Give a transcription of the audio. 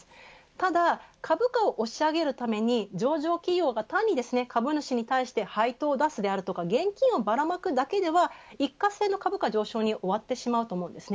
ただ、株価を押し上げるために上場企業が単に株主に対して配当を出すであるとか現金をばらまくだけでは一過性の株価上昇に終わってしまうと思います。